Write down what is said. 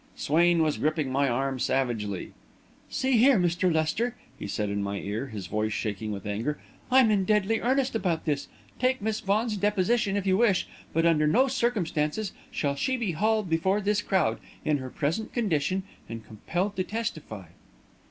Swain was gripping my arm savagely. "See here, Mr. Lester," he said in my ear, his voice shaking with anger, "I'm in deadly earnest about this. Take Miss Vaughan's deposition if you wish, but under no circumstances shall she be hauled before this crowd, in her present condition, and compelled to testify."